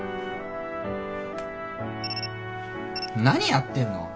何やってんの？